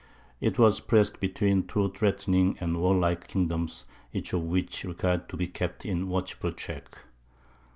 It was pressed between two threatening and warlike kingdoms, each of which required to be kept in watchful check.